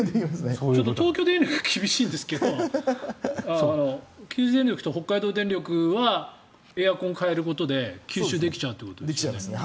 ちょっと東京電力は厳しいんですけど九州電力と北海道電力はエアコンを替えることで吸収できちゃいますね。